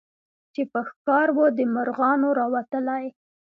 چي په ښکار وو د مرغانو راوتلی